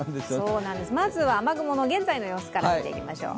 まずは雨雲の現在の様子から見ていきましょう。